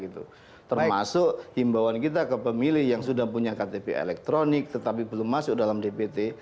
termasuk himbauan kita ke pemilih yang sudah punya ktp elektronik tetapi belum masuk dalam dpt